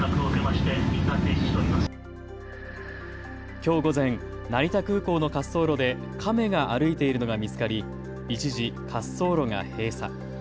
きょう午前、成田空港の滑走路でカメが歩いているのが見つかり一時、滑走路が閉鎖。